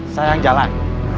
saya yang jalan